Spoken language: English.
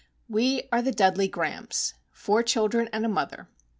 We are the Dudley Grahams,—four children and a mother.